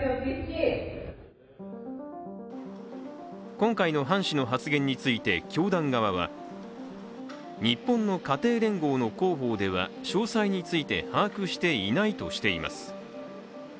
今回のハン氏の発言について教団側は、日本の家庭連合の広報では詳細について把握していないとしています。